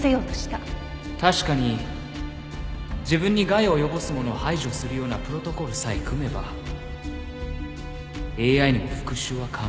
確かに自分に害を及ぼすものを排除するようなプロトコルさえ組めばＡＩにも復讐は可能だ。